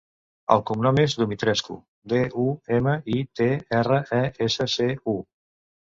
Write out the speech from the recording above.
El cognom és Dumitrescu: de, u, ema, i, te, erra, e, essa, ce, u.